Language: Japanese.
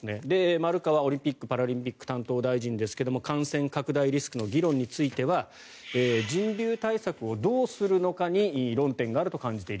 丸川オリンピック・パラリンピック担当大臣ですが感染拡大リスクの議論については人流対策をどうするのかに論点があると感じている。